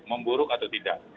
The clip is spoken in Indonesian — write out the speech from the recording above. memburuk atau tidak